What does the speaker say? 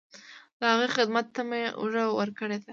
د هغې خدمت ته مې اوږه ورکړې ده.